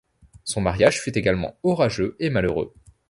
Son mariage fut également orageux et malheureux.